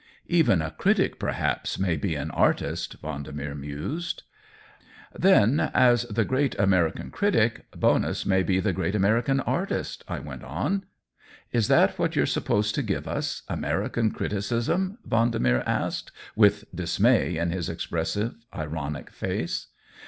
" Even a critic perhaps may be an artist," Vendemer mused. COLLABORATION 119 "Then, as the great American critic, Bonus may be the great American artist," I went on. " Is that what youVe supposed to give us —* American ' criticism ?'' Vendemer asked, with dismay in his expressive, ironic face.